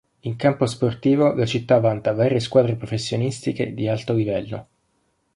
In campo sportivo la città vanta varie squadre professionistiche di alto livello.